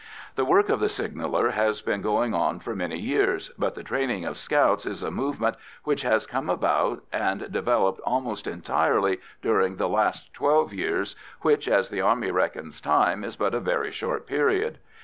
The work of the signaller has been going on for many years, but the training of scouts is a movement which has come about and developed almost entirely during the last twelve years, which, as the Army reckons time, is but a very short period.